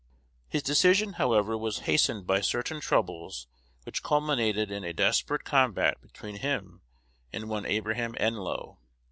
His decision, however, was hastened by certain troubles which culminated in a desperate combat between him and one Abraham Enlow.